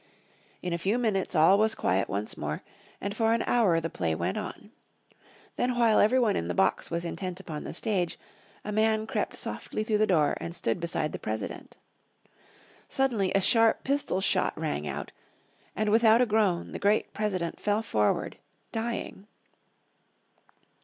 In a few minutes all was quiet once more, and for an hour the play went on. Then while everyone in the box was intent upon the stage a man crept softly through the door and stood beside the President. Suddenly a sharp pistol shot rang out, and without a groan the great President fell forward, dying.